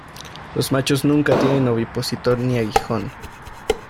Los machos nunca tienen ovipositor ni aguijón.